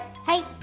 はい。